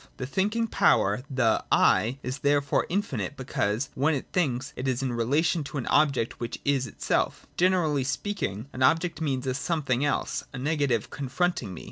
The thinking power, the ' I,' is therefore infinite, because, when it thinks, it is in relation to an object which is itself. Gene rally speaking, an object means a something else, a negative confronting me.